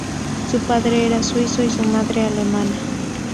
Su padre era suizo y su madre alemana.